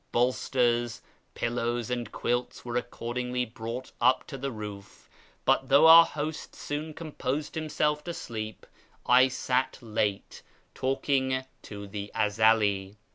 Bolsters, pillows, and' quilts were accordingly brought up on to the roof, but, though our host soon composed himself to sleep, I sat late talking to the Ezeli.